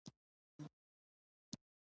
په بهرني سیاست کې